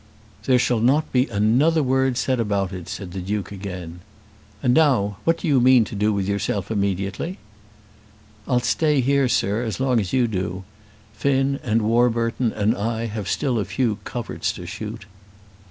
"There shall not be another word said about it," said the Duke again. "And now what do you mean to do with yourself immediately?" "I'll stay here, sir, as long as you do. Finn, and Warburton, and I have still a few coverts to shoot."